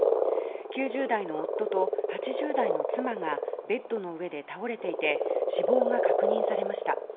９０代の夫と８０代の妻がベッドの上で倒れていて死亡が確認されました。